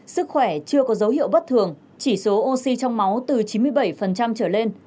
sức khỏe chưa có dấu hiệu bất thường chỉ số oxy trong máu từ chín mươi bảy trở lên